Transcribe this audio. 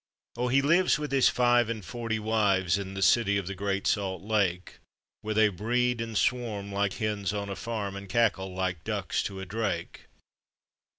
Oh, he lives with his five and forty wives, In the city of the Great Salt Lake, Where they breed and swarm like hens on a farm And cackle like ducks to a drake.